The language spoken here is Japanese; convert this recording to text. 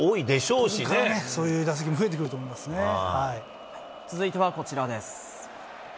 これから、そういう打席も増続いてはこちらです。